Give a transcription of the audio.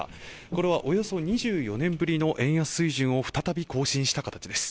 これはおよそ２４年ぶりの円安水準を再び更新した形です